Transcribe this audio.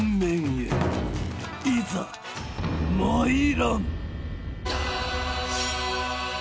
へいざ参らん。